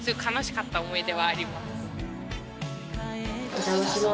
お邪魔します。